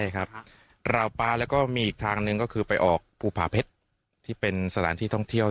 ใช่ครับราวป๊าแล้วก็มีอีกทางหนึ่งก็คือไปออกภูผาเพชรที่เป็นสถานที่ท่องเที่ยว